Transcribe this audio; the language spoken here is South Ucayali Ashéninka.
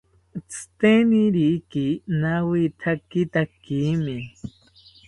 Tzitenikiri nawithakithakimi